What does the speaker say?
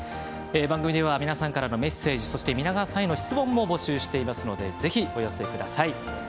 番組では皆さんからのメッセージそして皆川さんへの質問も募集していますのでぜひお寄せください。